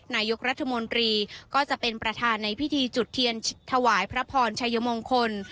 นายกรัฐมนตรีก็จะเป็นประธานในพิธีจุดเทียนถวายพระพรชัยมงคล